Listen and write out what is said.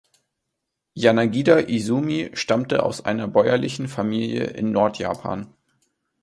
Yanagida Izumi stammte aus einer bäuerlichen Familie in Nordjapan.